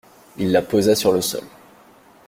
Il la posa sur le sol.